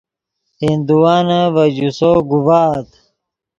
ہندوانے ڤے جوسو گوڤآت